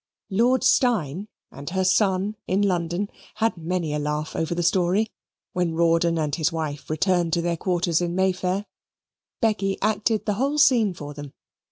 Lord Steyne, and her son in London, had many a laugh over the story when Rawdon and his wife returned to their quarters in May Fair. Becky acted the whole scene for them.